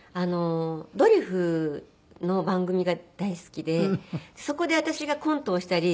ドリフの番組が大好きでそこで私がコントをしたり。